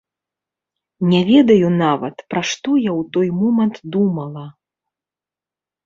Не ведаю нават, пра што я ў той момант думала.